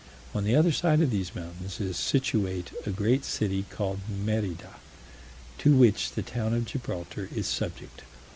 On the other side of these mountains is situate a great city called Merida, to which the town of Gibraltar is subject.